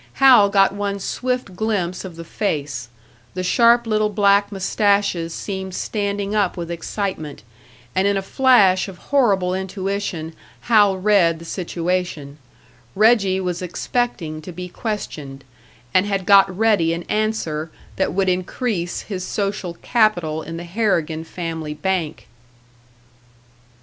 Hal got one swift glimpse of the face; the sharp little black moustaches seemed standing up with excitement, and in a flash of horrible intuition Hal read the situation Reggie was expecting to be questioned, and had got ready an answer that would increase his social capital in the Harrigan family bank!